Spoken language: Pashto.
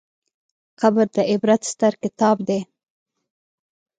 قبر د عبرت ستر کتاب دی.